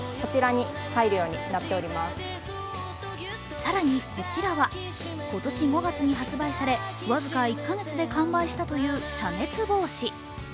更に、こちらは今年５月に発売され僅か１か月で完売したという遮熱帽子。